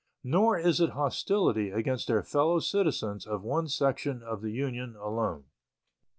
Nor is it hostility against their fellow citizens of one section of the Union alone.